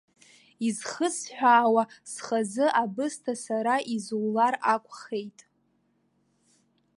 Изхысҳәаауа, схазы абысҭа сара изулар акәхеит.